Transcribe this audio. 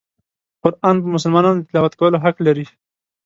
قرآن په مسلمانانو د تلاوت کولو حق لري.